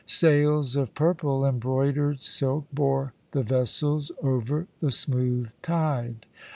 Sails of purple embroidered silk bore the vessels over the smooth tide.